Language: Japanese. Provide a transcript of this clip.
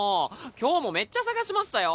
今日もめっちゃ捜しましたよ。